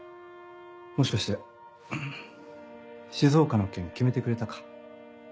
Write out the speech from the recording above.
もしかして静岡の件決めてくれたか？